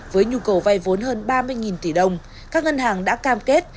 với nhu cầu vay vốn hơn ba mươi tỷ đồng các ngân hàng đã cam kết